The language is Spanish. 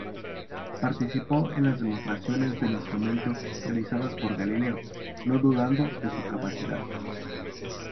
Participó en las demostraciones del instrumento realizadas por Galileo, no dudando de su capacidad.